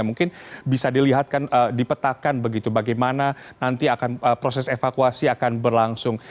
mungkin bisa dilihatkan dipetakan begitu bagaimana nanti proses evakuasi akan berlangsung